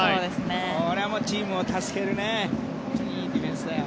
これはチームを助ける本当にいいディフェンスだよ。